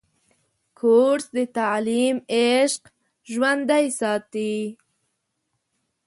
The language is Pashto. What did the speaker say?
کورس د تعلیم عشق ژوندی ساتي.